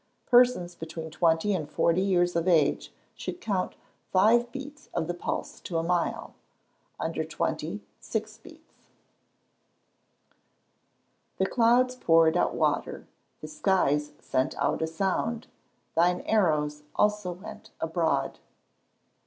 Persons between 20 and 40 years of age should count five beats of the pulse to a mile; under 20, six beats. [Verse: "The clouds poured out water; the skies sent out a sound; thine arrows also went abroad."